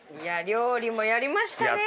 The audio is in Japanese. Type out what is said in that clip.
料理もやりましたね